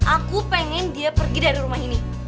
aku pengen dia pergi dari rumah ini